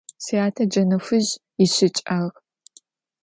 Syate cene fıj yişıç'ağ.